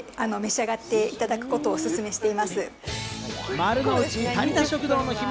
丸の内タニタ食堂の秘密